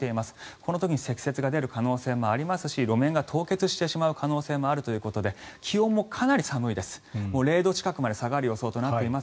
この時に積雪が出る可能性がありますし路面が凍結してしまう可能性もあるということで気温もかなり寒いです。